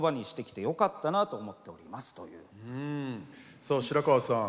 さあ白川さん